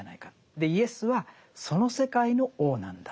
でイエスはその世界の王なんだと。